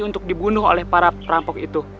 untuk dibunuh oleh para perampok itu